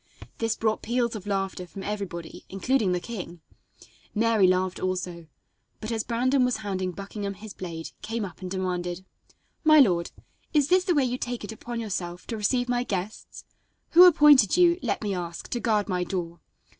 This brought peals of laughter from everybody, including the king. Mary laughed also, but, as Brandon was handing Buckingham his blade, came up and demanded: "My lord, is this the way you take it upon yourself to receive my guests? Who appointed you, let me ask, to guard my door?